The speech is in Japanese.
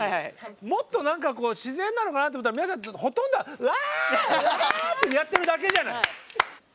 もっと何かこう自然なのかなと思ったら皆さんほとんどうわわあってやってるだけじゃない。